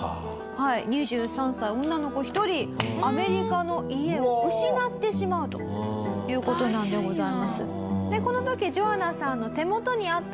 ２３歳女の子１人アメリカの家を失ってしまうという事なのでございます。